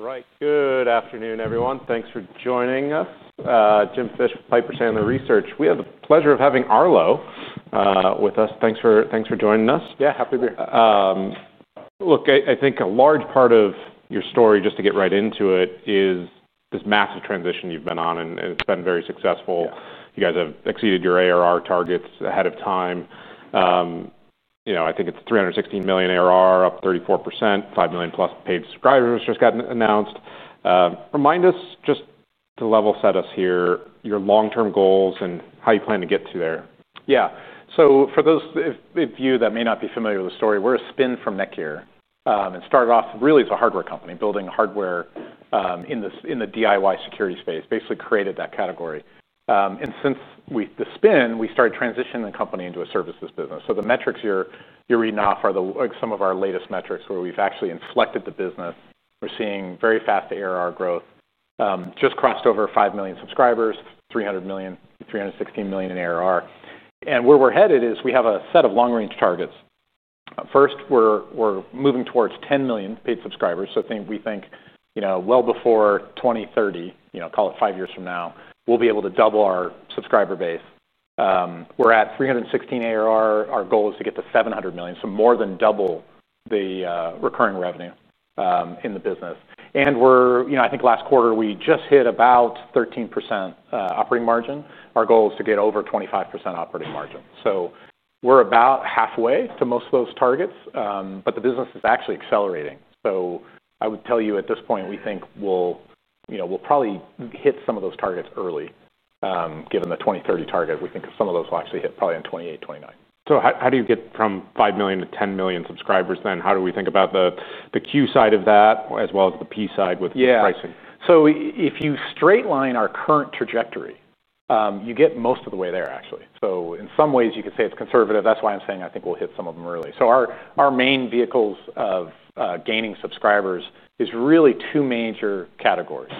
All right, good afternoon, everyone. Thanks for joining us. Jim Fish with Piper Sandler Research. We have the pleasure of having Arlo with us. Thanks for joining us. Yeah, happy to be here. Look, I think a large part of your story, just to get right into it, is this massive transition you've been on, and it's been very successful. You guys have exceeded your ARR targets ahead of time. You know, I think it's $316 million ARR, up 34%, 5 million plus paid subscribers just got announced. Remind us, just to level set us here, your long-term goals and how you plan to get to there. Yeah, so for those of you that may not be familiar with the story, we're a spin from Netgear and started off really as a hardware company, building hardware in the DIY security space, basically created that category. Since the spin, we started transitioning the company into a services business. The metrics you're reading off are some of our latest metrics where we've actually inflected the business. We're seeing very fast ARR growth. Just crossed over 5 million subscribers, $316 million in ARR. Where we're headed is we have a set of long-range targets. First, we're moving towards 10 million paid subscribers. I think we think, you know, well before 2030, you know, call it five years from now, we'll be able to double our subscriber base. We're at $316 million ARR. Our goal is to get to $700 million, so more than double the recurring revenue in the business. I think last quarter we just hit about 13% operating margin. Our goal is to get over 25% operating margin. We're about halfway to most of those targets, but the business is actually accelerating. I would tell you at this point, we think we'll probably hit some of those targets early, given the 2030 target. We think some of those will actually hit probably in 2028, 2029. How do you get from 5 million to 10 million subscribers then? How do we think about the Q side of that, as well as the P side with pricing? Yeah, so if you straight line our current trajectory, you get most of the way there, actually. In some ways, you could say it's conservative. That's why I'm saying I think we'll hit some of them early. Our main vehicles of gaining subscribers are really two major categories.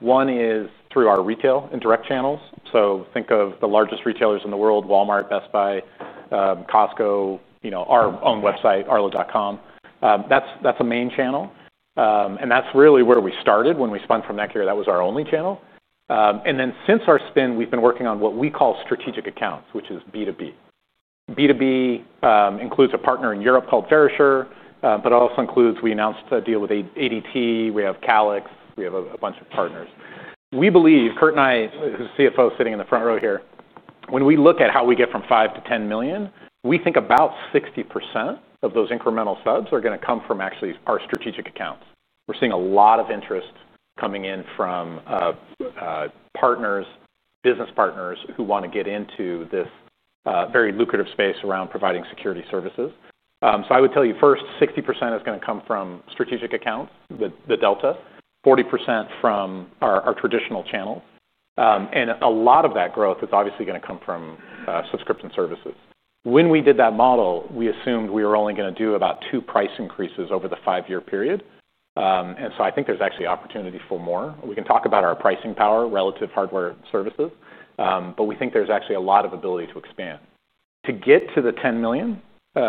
One is through our retail and direct channels. Think of the largest retailers in the world: Walmart, Best Buy, Costco, you know, our own website, arlo.com. That's a main channel, and that's really where we started when we spun from Netgear. That was our only channel, and then since our spin, we've been working on what we call strategic accounts, which is B2B2C. B2B2C includes a partner in Europe called Verisure, but it also includes, we announced a deal with ADT. We have Calix. We have a bunch of partners. We believe, Kurt and I, who's the CFO sitting in the front row here, when we look at how we get from 5 to 10 million, we think about 60% of those incremental subs are going to come from actually our strategic accounts. We're seeing a lot of interest coming in from partners, business partners who want to get into this very lucrative space around providing security services. I would tell you first, 60% is going to come from strategic accounts, the delta, 40% from our traditional channel. A lot of that growth is obviously going to come from subscription services. When we did that model, we assumed we were only going to do about two price increases over the five-year period. I think there's actually opportunity for more. We can talk about our pricing power relative to hardware services, but we think there's actually a lot of ability to expand. To get to the 10 million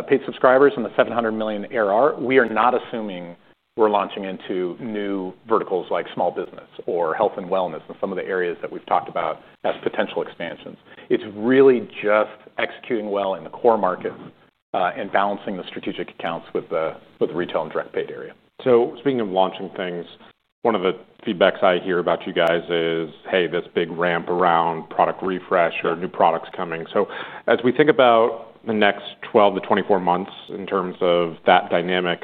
paid subscribers and the $700 million ARR, we are not assuming we're launching into new verticals like small business or health and wellness and some of the areas that we've talked about as potential expansions. It's really just executing well in the core markets and balancing the strategic accounts with the retail and direct paid area. Speaking of launching things, one of the feedbacks I hear about you guys is, hey, this big ramp around product refresh or new products coming. As we think about the next 12 to 24 months in terms of that dynamic,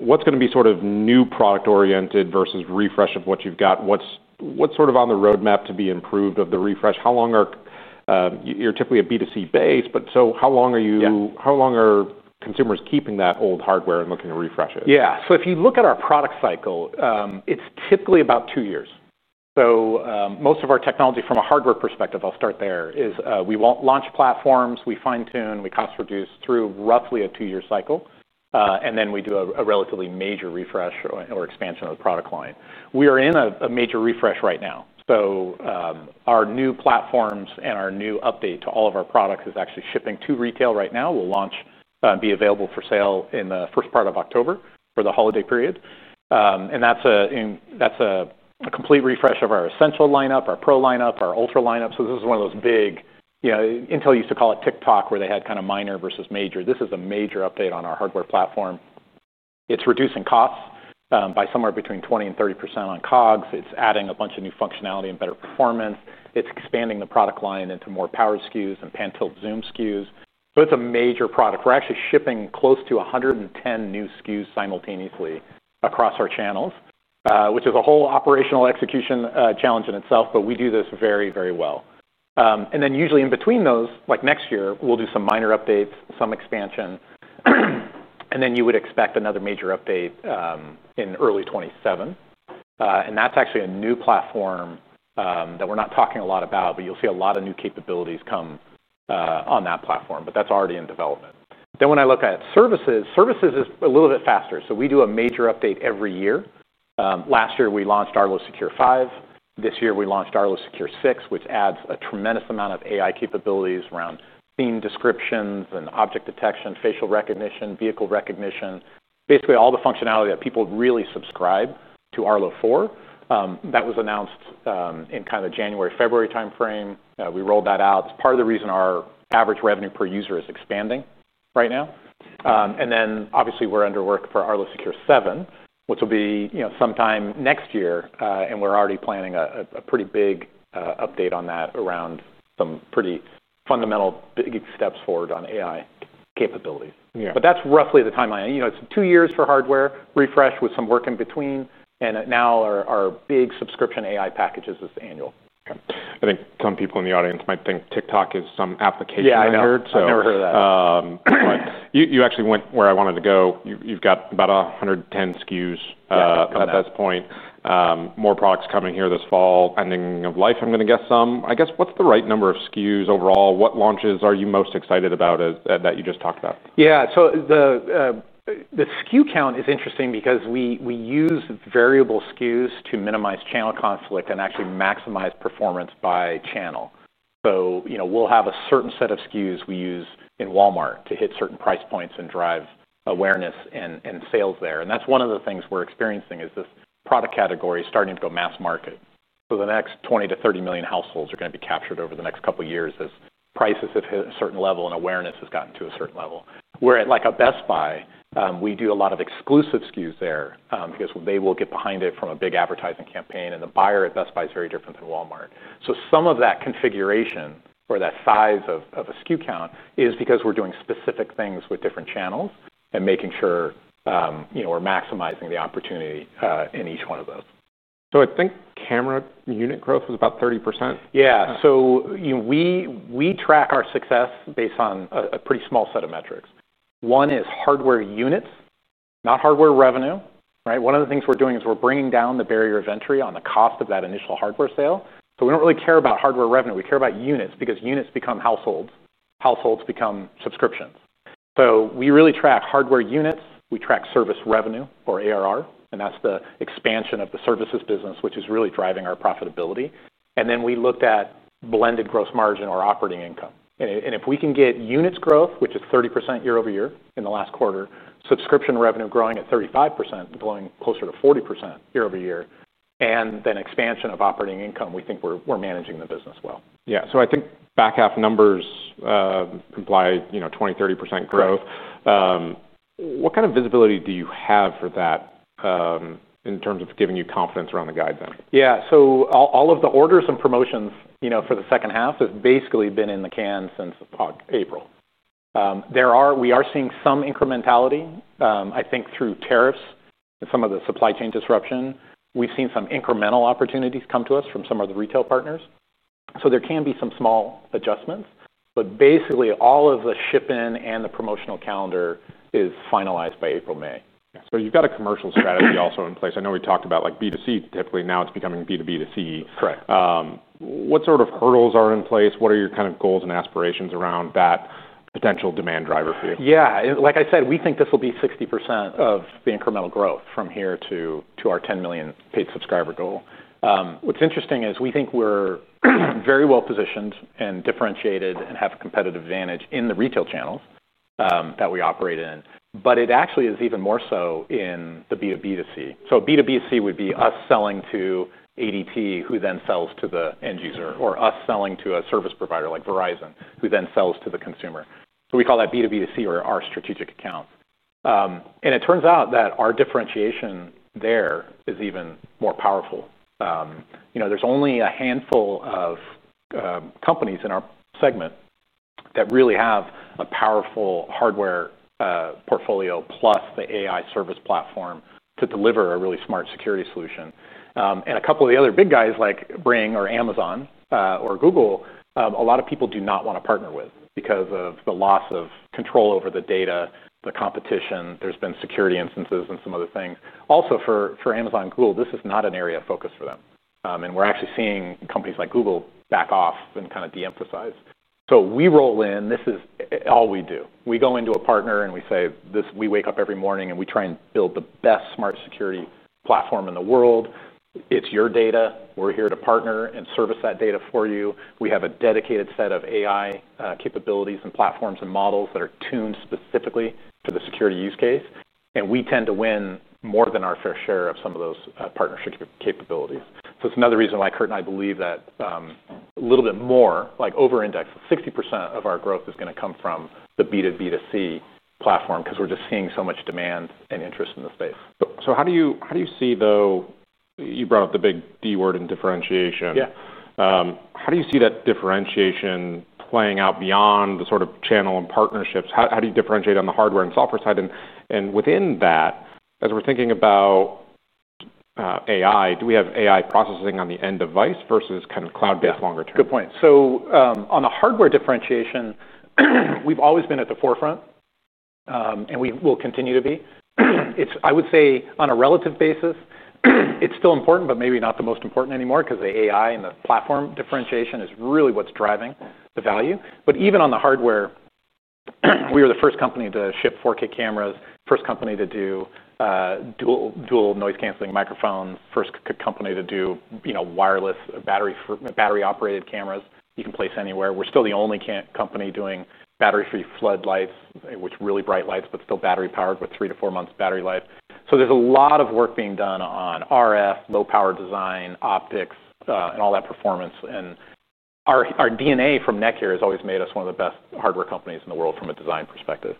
what's going to be sort of new product-oriented versus refresh of what you've got? What's sort of on the roadmap to be improved of the refresh? You're typically a B2C base, but how long are consumers keeping that old hardware and looking to refresh it? Yeah, so if you look at our product cycle, it's typically about two years. Most of our technology from a hardware perspective, I'll start there, is, we launch platforms, we fine-tune, we cost reduce through roughly a two-year cycle, and then we do a relatively major refresh or expansion of the product line. We are in a major refresh right now. Our new platforms and our new update to all of our products is actually shipping to retail right now. We'll launch, be available for sale in the first part of October for the holiday period. That's a complete refresh of our Essential lineup, our Pro lineup, our Ultra lineup. This is one of those big, you know, Intel used to call it TikTok where they had kind of minor versus major. This is a major update on our hardware platform. It's reducing costs by somewhere between 20% and 30% on COGS. It's adding a bunch of new functionality and better performance. It's expanding the product line into more power SKUs and pan-tilt zoom SKUs. It's a major product. We're actually shipping close to 110 new SKUs simultaneously across our channels, which is a whole operational execution challenge in itself, but we do this very, very well. Usually in between those, like next year, we'll do some minor updates, some expansion, and you would expect another major update in early 2027. That's actually a new platform that we're not talking a lot about, but you'll see a lot of new capabilities come on that platform, but that's already in development. When I look at services, services is a little bit faster. We do a major update every year. Last year we launched Arlo Secure 5. This year we launched Arlo Secure 6, which adds a tremendous amount of AI capabilities around theme descriptions and object detection, facial recognition, vehicle recognition, basically all the functionality that people really subscribe to Arlo for. That was announced in kind of the January-February timeframe. We rolled that out. It's part of the reason our average revenue per user is expanding right now. Obviously we're under work for Arlo Secure 7, which will be sometime next year, and we're already planning a pretty big update on that around some pretty fundamental big steps forward on AI capabilities. That's roughly the timeline. It's two years for hardware refresh with some work in between, and now our big subscription AI packages is annual. I think some people in the audience might think TikTok is some application I've heard. Yeah, I've never heard of that. You actually went where I wanted to go. You've got about 110 SKUs at this point, more products coming here this fall, ending of life, I'm going to guess some. I guess what's the right number of SKUs overall? What launches are you most excited about that you just talked about? Yeah, the SKU count is interesting because we use variable SKUs to minimize channel conflict and actually maximize performance by channel. You know, we'll have a certain set of SKUs we use in Walmart to hit certain price points and drive awareness and sales there. That's one of the things we're experiencing as this product category is starting to go mass market. The next 20 to 30 million households are going to be captured over the next couple of years as prices have hit a certain level and awareness has gotten to a certain level. At a place like Best Buy, we do a lot of exclusive SKUs there because they will get behind it from a big advertising campaign. The buyer at Best Buy is very different than Walmart. Some of that configuration or that size of a SKU count is because we're doing specific things with different channels and making sure we're maximizing the opportunity in each one of those. I think camera unit growth was about 30%. Yeah, so you know, we track our success based on a pretty small set of metrics. One is hardware units, not hardware revenue. Right? One of the things we're doing is we're bringing down the barrier of entry on the cost of that initial hardware sale. We don't really care about hardware revenue. We care about units because units become households. Households become subscriptions. We really track hardware units. We track service revenue or ARR, and that's the expansion of the services business, which is really driving our profitability. Then we looked at blended gross margin or operating income. If we can get units growth, which is 30% year over year in the last quarter, subscription revenue growing at 35%, growing closer to 40% year over year, and then expansion of operating income, we think we're managing the business well. Yeah, so I think back half numbers, implied, you know, 20-30% growth. What kind of visibility do you have for that, in terms of giving you confidence around the guide then? Yeah, so all of the orders and promotions for the second half have basically been in the can since April. There are, we are seeing some incrementality, I think through tariffs and some of the supply chain disruption. We've seen some incremental opportunities come to us from some of the retail partners. There can be some small adjustments, but basically all of the ship-in and the promotional calendar is finalized by April, May. You have a commercial strategy also in place. I know we talked about like B2C, typically now it's becoming B2B2C. Right. What sort of hurdles are in place? What are your kind of goals and aspirations around that potential demand driver for you? Yeah, like I said, we think this will be 60% of the incremental growth from here to our 10 million paid subscriber goal. What's interesting is we think we're very well positioned and differentiated and have a competitive advantage in the retail channels that we operate in, but it actually is even more so in the B2B2C. B2B2C would be us selling to ADT, who then sells to the end user, or us selling to a service provider like Verizon, who then sells to the consumer. We call that B2B2C or our strategic account. It turns out that our differentiation there is even more powerful. You know, there's only a handful of companies in our segment that really have a powerful hardware portfolio plus the AI service platform to deliver a really smart security solution. A couple of the other big guys like Ring or Amazon, or Google, a lot of people do not want to partner with because of the loss of control over the data, the competition. There's been security instances and some other things. Also, for Amazon and Google, this is not an area of focus for them. We're actually seeing companies like Google back off and kind of de-emphasize. We roll in. This is all we do. We go into a partner and we say, we wake up every morning and we try and build the best smart security platform in the world. It's your data. We're here to partner and service that data for you. We have a dedicated set of AI capabilities and platforms and models that are tuned specifically for the security use case. We tend to win more than our fair share of some of those partnership capabilities. It's another reason why Kurt and I believe that, a little bit more, like over index, 60% of our growth is going to come from the B2B2C platform because we're just seeing so much demand and interest in the space. How do you see though, you brought up the big D word in differentiation. Yeah. How do you see that differentiation playing out beyond the sort of channel and partnerships? How do you differentiate on the hardware and software side? Within that, as we're thinking about AI, do we have AI processing on the end device versus kind of cloud-based longer term? Good point. On the hardware differentiation, we've always been at the forefront, and we will continue to be. It's, I would say, on a relative basis, it's still important, but maybe not the most important anymore because the AI and the platform differentiation is really what's driving the value. Even on the hardware, we were the first company to ship 4K cameras, first company to do dual noise canceling microphones, first company to do wireless battery-operated cameras you can place anywhere. We're still the only company doing battery-free flood lights, which are really bright lights, but still battery-powered with three to four months battery life. There's a lot of work being done on RF, low-power design, optics, and all that performance. Our DNA from Netgear has always made us one of the best hardware companies in the world from a design perspective.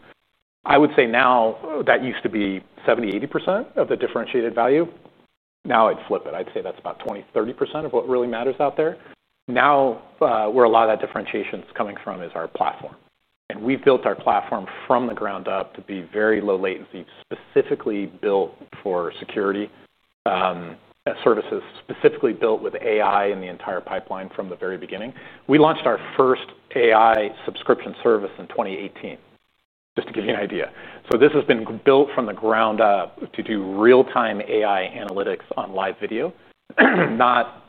I would say now that used to be 70-80% of the differentiated value. Now I'd flip it. I'd say that's about 20-30% of what really matters out there. Where a lot of that differentiation is coming from is our platform. We've built our platform from the ground up to be very low latency, specifically built for security, as services specifically built with AI in the entire pipeline from the very beginning. We launched our first AI subscription service in 2018, just to give you an idea. This has been built from the ground up to do real-time AI analytics on live video, not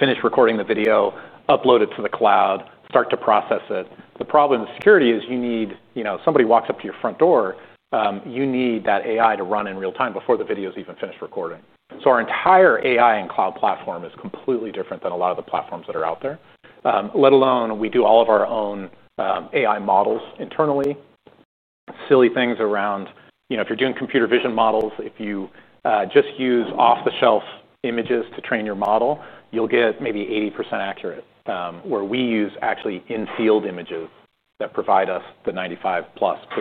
finish recording the video, upload it to the cloud, start to process it. The problem with security is you need, you know, somebody walks up to your front door, you need that AI to run in real time before the video is even finished recording. Our entire AI and cloud platform is completely different than a lot of the platforms that are out there. Let alone we do all of our own AI models internally. Silly things around, you know, if you're doing computer vision models, if you just use off-the-shelf images to train your model, you'll get maybe 80% accurate, where we use actually in-field images that provide us the 95+%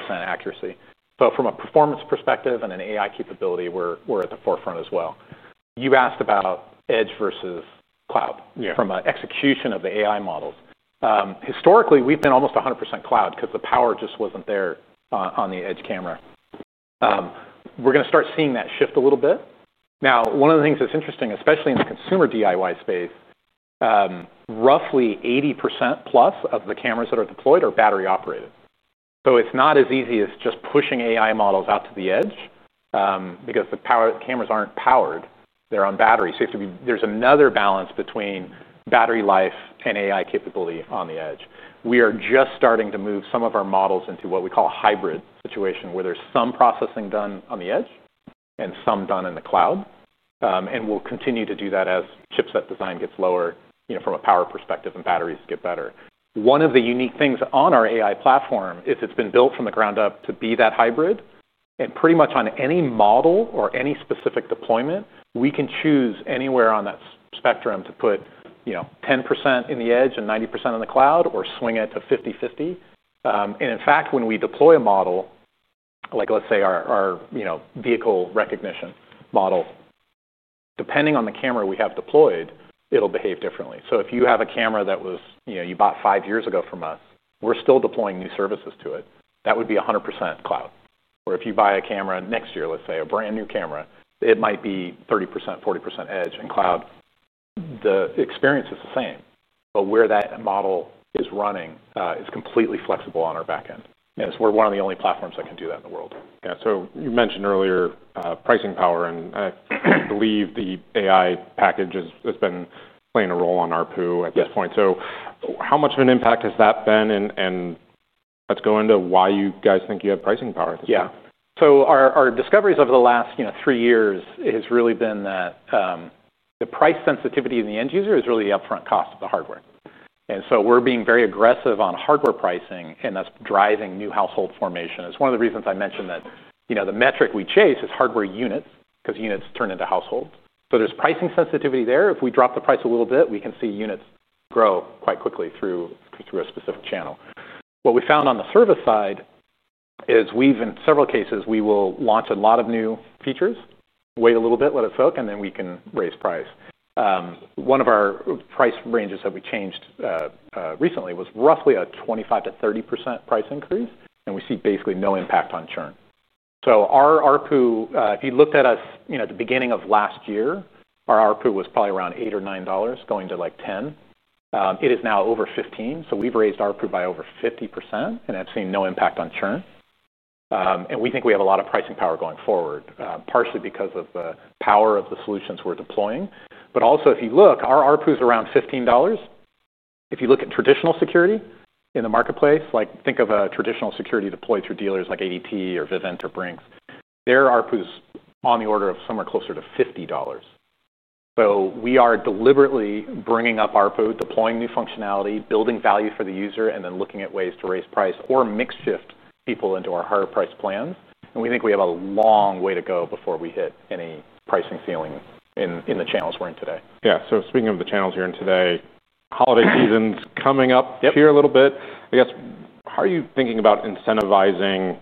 accuracy. From a performance perspective and an AI capability, we're at the forefront as well. You asked about edge versus cloud. Yeah. From an execution of the AI models, historically, we've been almost 100% cloud because the power just wasn't there on the edge camera. We're going to start seeing that shift a little bit. Now, one of the things that's interesting, especially in the consumer DIY space, roughly 80%+ of the cameras that are deployed are battery-operated. It's not as easy as just pushing AI models out to the edge, because the cameras aren't powered. They're on battery. There's another balance between battery life and AI capability on the edge. We are just starting to move some of our models into what we call a hybrid situation where there's some processing done on the edge and some done in the cloud, and we'll continue to do that as chipset design gets lower, you know, from a power perspective and batteries get better. One of the unique things on our AI-driven platform is it's been built from the ground up to be that hybrid. Pretty much on any model or any specific deployment, we can choose anywhere on that spectrum to put, you know, 10% in the edge and 90% in the cloud or swing it to 50-50. In fact, when we deploy a model, like let's say our vehicle recognition model, depending on the camera we have deployed, it'll behave differently. If you have a camera that was, you know, you bought five years ago from us, we're still deploying new services to it. That would be 100% cloud. If you buy a camera next year, let's say a brand new camera, it might be 30%, 40% edge and cloud. The experience is the same, but where that model is running is completely flexible on our backend. We're one of the only platforms that can do that in the world. Yeah, you mentioned earlier, pricing power, and I believe the AI package has been playing a role on ARPU at this point. How much of an impact has that been? Let's go into why you guys think you have pricing power at this point. Yeah, so our discoveries over the last, you know, three years have really been that the price sensitivity in the end user is really the upfront cost of the hardware. We're being very aggressive on hardware pricing, and that's driving new household formation. It's one of the reasons I mentioned that the metric we chase is hardware units because units turn into households. There's pricing sensitivity there. If we drop the price a little bit, we can see units grow quite quickly through a specific channel. What we found on the service side is, in several cases, we will launch a lot of new features, wait a little bit, let it soak, and then we can raise price. One of our price ranges that we changed recently was roughly a 25% to 30% price increase, and we see basically no impact on churn. Our ARPU, if you looked at us at the beginning of last year, was probably around $8 or $9 going to like $10. It is now over $15. We've raised ARPU by over 50% and have seen no impact on churn. We think we have a lot of pricing power going forward, partially because of the power of the solutions we're deploying. Also, if you look, our ARPU is around $15. If you look at traditional security in the marketplace, like think of a traditional security deployed through dealers like ADT or Vivint or Brinks, their ARPU is on the order of somewhere closer to $50. We are deliberately bringing up ARPU, deploying new functionality, building value for the user, and then looking at ways to raise price or makeshift people into our higher price plans. We think we have a long way to go before we hit any pricing ceiling in the channels we're in today. Yeah, so speaking of the channels you're in today, holiday season's coming up here a little bit. I guess, how are you thinking about incentivizing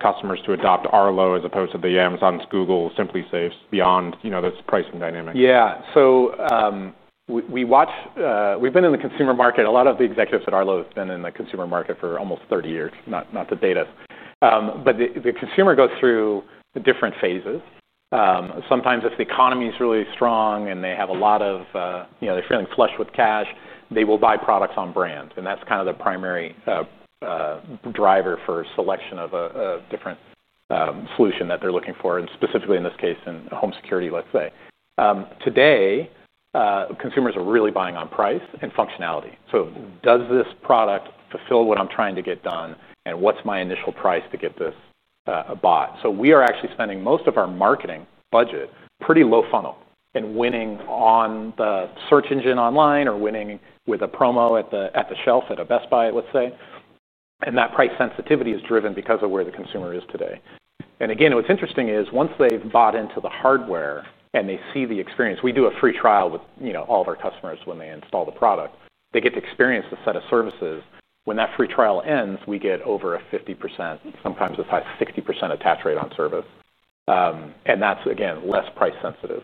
customers to adopt Arlo as opposed to the Amazons, Googles, SimpliSafes beyond, you know, this pricing dynamic? Yeah, so, we watch, we've been in the consumer market. A lot of the executives at Arlo have been in the consumer market for almost 30 years, not the data. The consumer goes through the different phases. Sometimes if the economy is really strong and they have a lot of, you know, they're feeling flush with cash, they will buy products on brand. That's kind of the primary driver for selection of a different solution that they're looking for, and specifically in this case, in home security, let's say. Today, consumers are really buying on price and functionality. Does this product fulfill what I'm trying to get done? What's my initial price to get this bought? We are actually spending most of our marketing budget pretty low funnel and winning on the search engine online or winning with a promo at the shelf at a Best Buy, let's say. That price sensitivity is driven because of where the consumer is today. What's interesting is once they've bought into the hardware and they see the experience, we do a free trial with all of our customers when they install the product. They get to experience the set of services. When that free trial ends, we get over a 50%, sometimes as high as 60% attach rate on service, and that's, again, less price sensitive.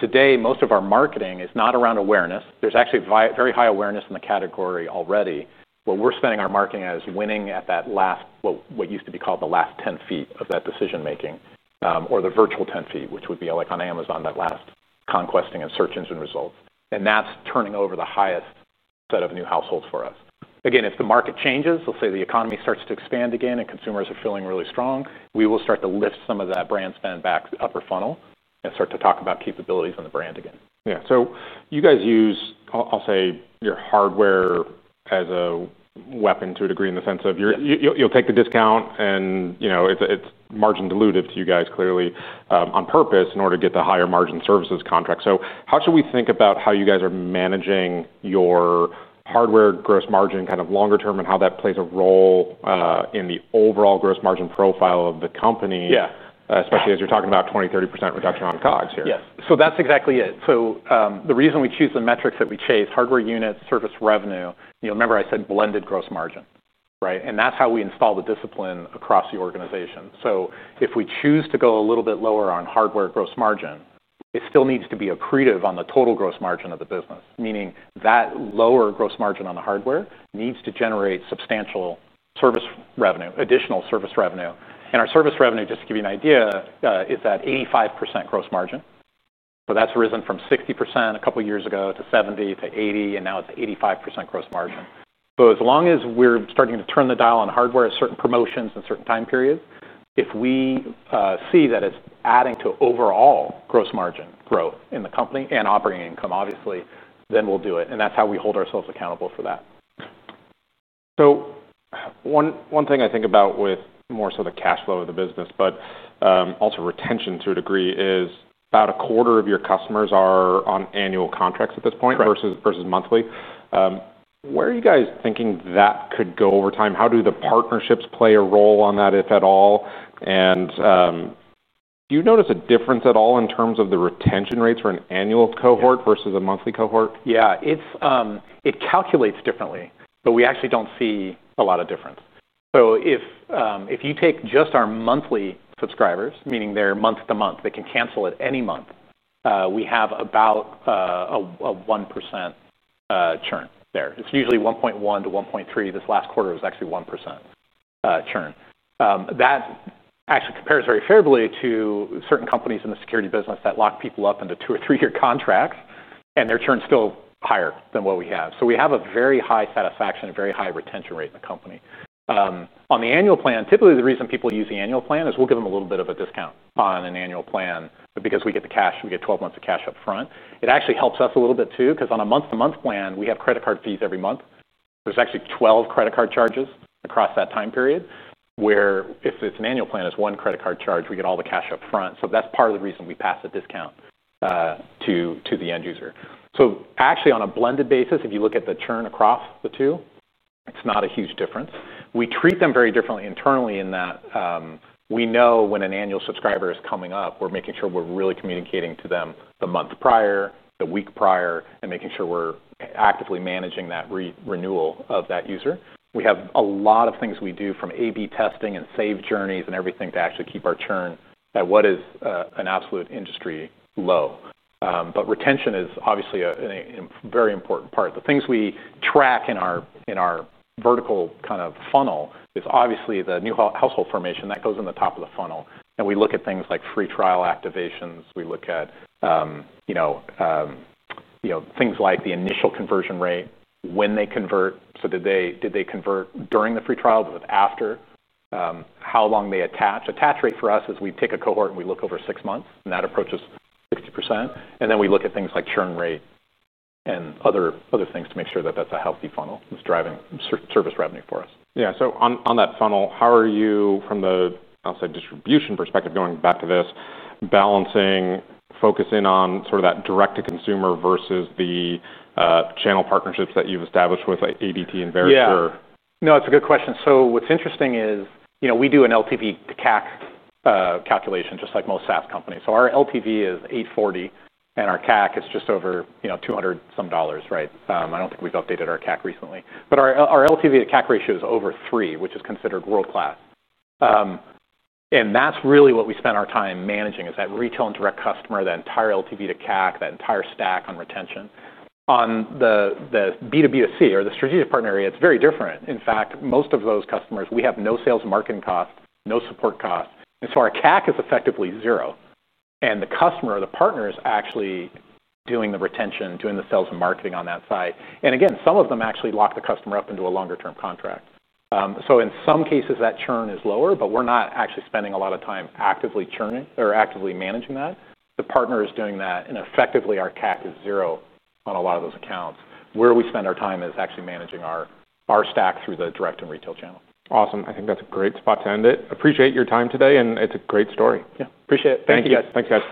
Today, most of our marketing is not around awareness. There's actually very high awareness in the category already. What we're spending our marketing on is winning at that last, what used to be called the last 10 feet of that decision making, or the virtual 10 feet, which would be like on Amazon, that last conquesting and search engine results. That's turning over the highest set of new households for us. If the market changes, let's say the economy starts to expand again and consumers are feeling really strong, we will start to lift some of that brand spend back upper funnel and start to talk about capabilities on the brand again. Yeah, you guys use, I'll say, your hardware as a weapon to a degree in the sense of you'll take the discount and, you know, it's margin diluted to you guys clearly on purpose in order to get the higher margin services contract. How should we think about how you guys are managing your hardware gross margin kind of longer term and how that plays a role in the overall gross margin profile of the company? Yeah. Especially as you're talking about 20-30% reduction on COGS here. Yes, that's exactly it. The reason we choose the metrics that we chase, hardware units, service revenue, you'll remember I said blended gross margin, right? That's how we install the discipline across the organization. If we choose to go a little bit lower on hardware gross margin, it still needs to be accretive on the total gross margin of the business, meaning that lower gross margin on the hardware needs to generate substantial service revenue, additional service revenue. Our service revenue, just to give you an idea, is at 85% gross margin. That's risen from 60% a couple of years ago to 70% to 80%, and now it's 85% gross margin. As long as we're starting to turn the dial on hardware at certain promotions and certain time periods, if we see that it's adding to overall gross margin growth in the company and operating income, obviously, then we'll do it. That's how we hold ourselves accountable for that. One thing I think about with more so the cash flow of the business, but also retention to a degree, is about a quarter of your customers are on annual contracts at this point versus monthly. Where are you guys thinking that could go over time? How do the partnerships play a role on that, if at all? Do you notice a difference at all in terms of the retention rates for an annual cohort versus a monthly cohort? Yeah, it calculates differently, but we actually don't see a lot of difference. If you take just our monthly subscribers, meaning they're month to month, they can cancel at any month, we have about a 1% churn there. It's usually 1.1% to 1.3%. This last quarter was actually 1% churn. That actually compares very favorably to certain companies in the security business that lock people up into two or three-year contracts, and their churn is still higher than what we have. We have a very high satisfaction and very high retention rate in the company. On the annual plan, typically the reason people use the annual plan is we'll give them a little bit of a discount on an annual plan because we get the cash, we get 12 months of cash up front. It actually helps us a little bit too, because on a month-to-month plan, we have credit card fees every month. There are actually 12 credit card charges across that time period, where if it's an annual plan, it's one credit card charge, we get all the cash up front. That's part of the reason we pass a discount to the end user. On a blended basis, if you look at the churn across the two, it's not a huge difference. We treat them very differently internally in that we know when an annual subscriber is coming up, we're making sure we're really communicating to them the month prior, the week prior, and making sure we're actively managing that renewal of that user. We have a lot of things we do from A/B testing and save journeys and everything to actually keep our churn at what is an absolute industry low. Retention is obviously a very important part. The things we track in our vertical kind of funnel are obviously the new household formation that goes on the top of the funnel. We look at things like free trial activations. We look at things like the initial conversion rate, when they convert. Did they convert during the free trial? Was it after? How long they attach? Attach rate for us is we take a cohort and we look over six months, and that approaches 60%. We look at things like churn rate and other things to make sure that that's a healthy funnel that's driving service revenue for us. Yeah, on that funnel, how are you, from the outside distribution perspective, going back to this, balancing, focusing on sort of that direct-to-consumer versus the channel partnerships that you've established with like ADT and Verisure? Yeah, no, that's a good question. What's interesting is, you know, we do an LTV/CAC calculation just like most SaaS companies. Our LTV is $840, and our CAC is just over $200, right? I don't think we've updated our CAC recently. Our LTV/CAC ratio is over 3, which is considered world-class. That's really what we spend our time managing, that retail and direct customer, that entire LTV/CAC, that entire stack on retention. On the B2B2C or the strategic partner area, it's very different. In fact, most of those customers, we have no sales and marketing cost, no support cost, so our CAC is effectively zero. The customer or the partner is actually doing the retention, doing the sales and marketing on that side. Some of them actually lock the customer up into a longer-term contract. In some cases, that churn is lower, but we're not actually spending a lot of time actively churning or actively managing that. The partner is doing that, and effectively, our CAC is zero on a lot of those accounts. Where we spend our time is actually managing our stack through the direct and retail channel. Awesome. I think that's a great spot to end it. Appreciate your time today, and it's a great story. Yeah, appreciate it. Thank you, guys. Thanks, guys.